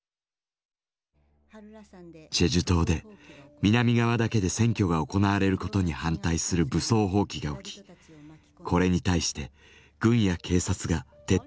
チェジュ島で南側だけで選挙が行われることに反対する武装蜂起が起きこれに対して軍や警察が徹底的に弾圧。